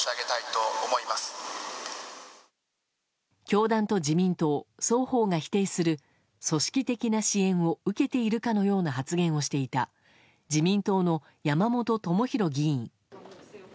教団と自民党双方が否定する組織的な支援を受けているかのような発言をしていた自民党の山本朋広議員。